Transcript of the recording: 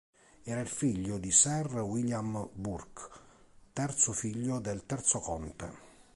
Era il figlio di Sir William Bourke, terzo figlio del terzo conte.